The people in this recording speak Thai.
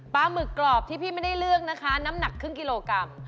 หมึกกรอบที่พี่ไม่ได้เลือกนะคะน้ำหนักครึ่งกิโลกรัม